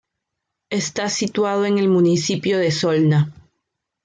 Está situado en el municipio de Solna.